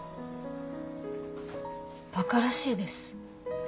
ばからしいです。